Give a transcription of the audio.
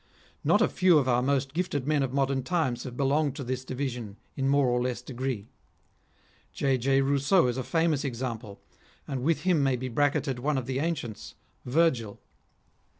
. Not a few of our most gifted men of modern times have belonged to this division in more or less degree. J. J. Eousseau is a famous example, and with him may be bracketed one of the ancients, Virgil.